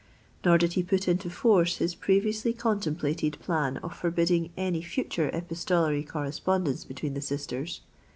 Nor did he put into force his previously contemplated plan of forbidding any future epistolary correspondence between the sisters.